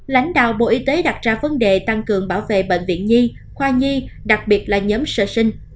lãnh đạo bộ y tế đặt ra vấn đề tăng cường bảo vệ bệnh viện nhi khoa nhi đặc biệt là nhóm sơ sinh